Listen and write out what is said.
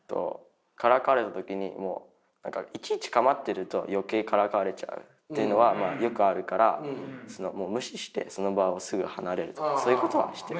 からかわれた時にもういちいち構ってると余計からかわれちゃうっていうのはよくあるから無視してその場をすぐ離れるとかそういうことはしてる。